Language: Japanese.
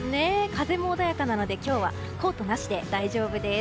風も穏やかなので今日はコートなしで大丈夫です。